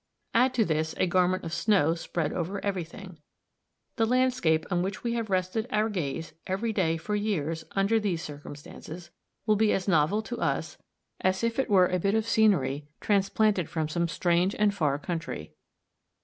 Add to this, a garment of snow spread over every thing. The landscape on which we have rested our gaze, every day, for years, under these circumstances will be as novel to us, as if it were a bit of scenery transplanted from some strange and far country.